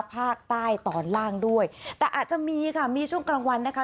ภาคใต้ตอนล่างด้วยแต่อาจจะมีค่ะมีช่วงกลางวันนะคะ